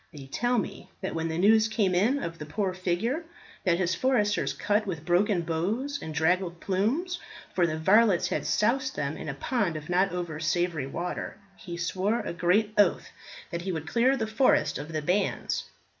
They tell me that when the news came in of the poor figure that his foresters cut with broken bows and draggled plumes for the varlets had soused them in a pond of not over savoury water he swore a great oath that he would clear the forest of the bands.